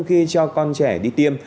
khi cho con trẻ đi tiêm